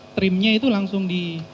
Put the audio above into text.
trimnya itu langsung di